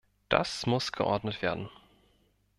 Das muss geordnet werden.